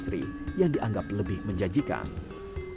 mereka memiliki kekuatan yang lebih menarik dan lebih berharga